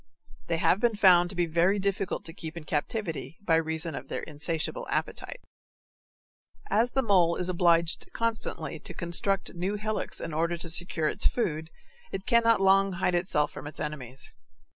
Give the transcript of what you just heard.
They have been found to be very difficult to keep in captivity by reason of their insatiable appetite. As the mole is obliged constantly to construct new hillocks in order to secure its food, it cannot long hide itself from its enemies.